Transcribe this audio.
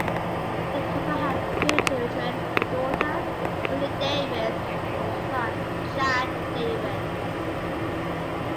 The couple have two children: a daughter, Whitney Davis, and a son, Chad Davis.